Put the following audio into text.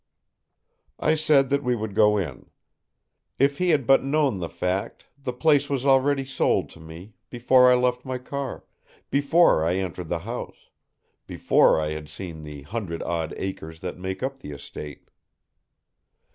I said that we would go in. If he had but known the fact, the place was already sold to me; before I left my car, before I entered the house, before I had seen the hundred odd acres that make up the estate.